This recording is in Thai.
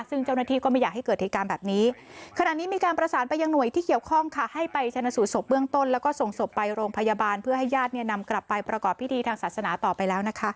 ซึ่งเจ้าหน้าที่ก็ไม่อยากให้เกิดที่การแบบนี้